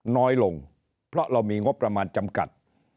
น้อยลงเพราะเรามีงบประมาณจำกัด